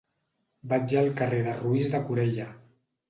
Vaig al carrer de Roís de Corella.